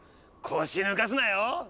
腰抜かすなよ。